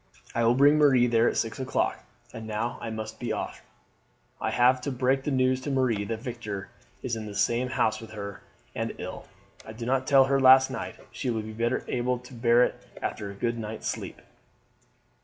I will bring Marie there at six o'clock. And now I must be off; I have to break the news to Marie that Victor is in the same house with her and ill. I did not tell her last night. She will be better able to bear it after a good night's sleep."